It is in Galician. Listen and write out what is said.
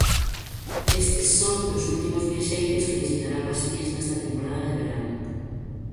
Estes son dos últimos viaxeiros que visitarán as Cíes nesta temporada de verán.